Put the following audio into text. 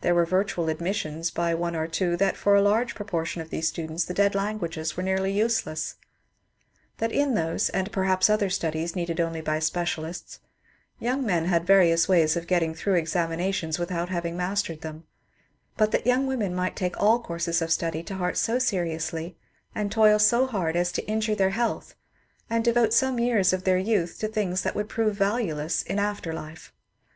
There were virtual admissions by one or two that for a large proportion of these students the dead languages were nearly useless ; that in those, and perhaps other studies needed only by specialists, young men had various ways of getting through examinations without having mastered them ; but that young women might take all courses of study to heart so seriously and toil so hard as to injure their health and devote some years of their youth to things that would prove valueless in after life.